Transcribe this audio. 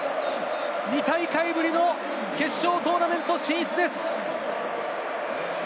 ２大会ぶりの決勝トーナメント進出です。